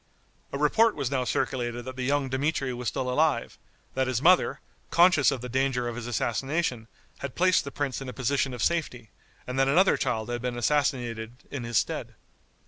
A report was now circulated that the young Dmitri was still alive, that his mother, conscious of the danger of his assassination, had placed the prince in a position of safety, and that another child had been assassinated in his stead.